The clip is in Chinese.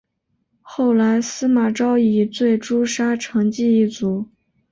后来司马昭以罪诛杀成济一族。